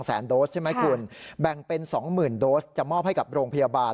แสนโดสใช่ไหมคุณแบ่งเป็น๒๐๐๐โดสจะมอบให้กับโรงพยาบาล